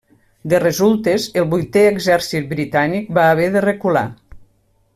De resultes, el Vuitè Exèrcit britànic va haver de recular.